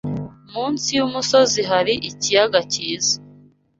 Munsi yumusozi hari ikiyaga cyiza.